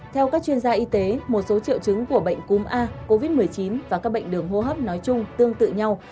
theo các chuyên gia y tế một số triệu chứng của bệnh cúm a covid một mươi chín và các bệnh đường hô hấp nói chung tương tự nhau